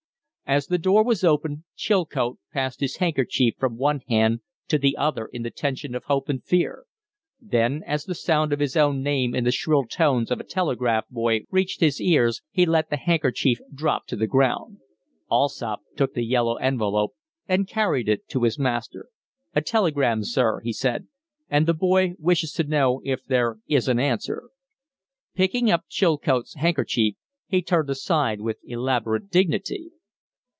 As the door was opened Chilcote passed his handkerchief from one hand to the other in the tension of hope and fear; then, as the sound of his own name in the shrill tones of a telegraph boy reached his ears, he let the handkerchief drop to the ground. Allsopp took the yellow envelope and carried it to his master. "A telegram, sir," he said. "And the boy wishes to know if there is an answer." Picking up Chilcote's handkerchief, he turned aside with elaborate dignity.